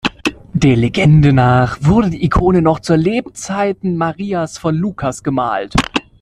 Der Legende nach wurde die Ikone noch zu Lebzeiten Marias von Lukas gemalt.